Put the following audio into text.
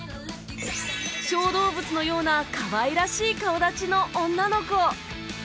小動物のようなかわいらしい顔立ちの女の子